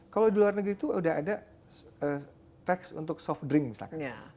kalau di luar negeri itu sudah ada tax untuk soft drink misalkan